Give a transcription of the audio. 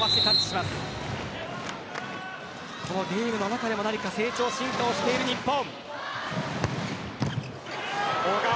ゲームの中でも成長、進化をしている日本。